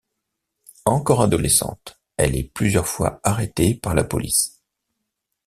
Encore adolescente, elle est plusieurs fois arrêtée par la police.